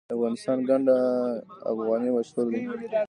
د افغانستان ګنډ افغاني مشهور دی